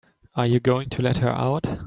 Are you going to let her out?